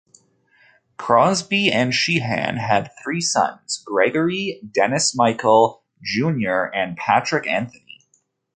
Crosby and Sheehan had three sons: Gregory, Dennis Michael, Junior and Patrick Anthony.